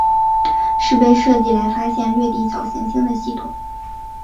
是被设计来发现掠地小行星的系统。